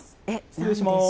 失礼します。